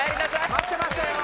待ってましたよ！